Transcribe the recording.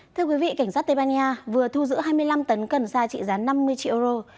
thưa quý vị cảnh sát tây ban nha vừa thu giữ hai mươi năm tấn cần xa trị giá năm mươi triệu euro